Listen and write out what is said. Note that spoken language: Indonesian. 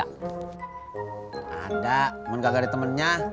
gak ada menengah engah temennya